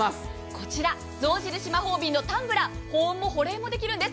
こちら象印マホービンのタンブラー保温も保冷もできるんです。